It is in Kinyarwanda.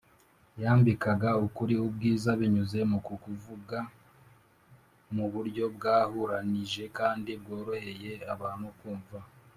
yambikaga ukuri ubwiza binyuze mu kukuvuga mu buryo bwahuranyije kandi bworoheye abantu kumva